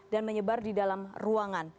dan menyebar di dalam ruangan